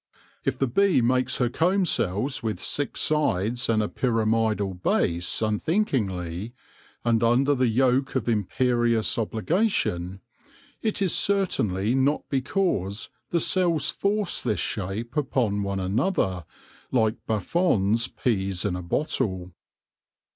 If the bee makes her comb cells with six sides and a pyramidal base unthinkingly, and under the yoke of imperious obligation, it is certainly not be cause the cells force this shape upon one another, like Buffon's peas in a bottle.